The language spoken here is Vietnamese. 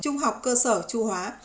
trung học cơ sở tru hóa